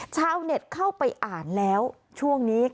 ชาวเน็ตเข้าไปอ่านแล้วช่วงนี้